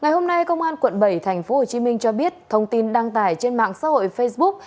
ngày hôm nay công an quận bảy tp hcm cho biết thông tin đăng tải trên mạng xã hội facebook